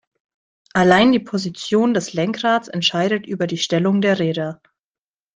Allein die Position des Lenkrads entscheidet über die Stellung der Räder.